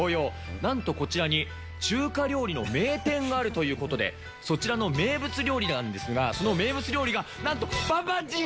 なんとこちらに中華料理の名店があるということで、そちらの名物料理なんですが、その名物料理がなんと、バンバンジー。